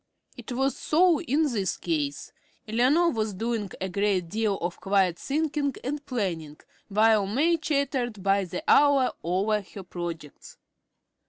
It was so in this case. Eleanor was doing a great deal of quiet thinking and planning while May chattered by the hour over her projects.